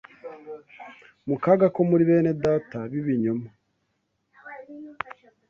mu kaga ko muri bene Data b’ibinyoma